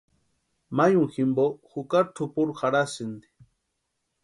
Mayuni jimpo jukari tʼupuri jarhasïnti.